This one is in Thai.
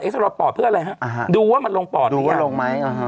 เอ็กซาเรย์ปอดเพื่ออะไรฮะอ่าฮะดูว่ามันลงปอดหรือยังดูว่าลงไหมอ่าฮะ